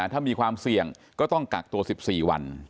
ถ้ามีความเสี่ยงก็ต้องกักตัว๑๔วัน